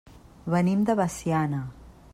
Venim de Veciana.